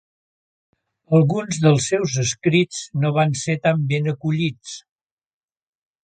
Alguns dels seus escrits no van ser tan ben acollits.